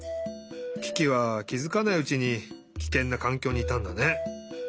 キキはきづかないうちにキケンなかんきょうにいたんだね。